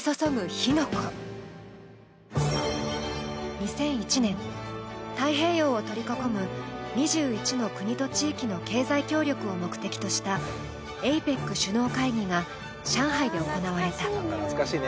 ２００１年、太平洋を取り囲む２１の国と地域の経済協力を目的としたＡＰＥＣ首脳会議が上海で行われた。